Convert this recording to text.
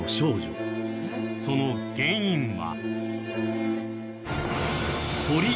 その原因は？